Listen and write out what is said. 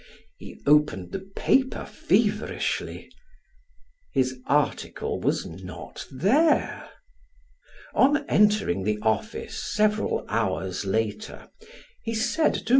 He opened the paper feverishly; his article was not there. On entering the office several hours later, he said to M.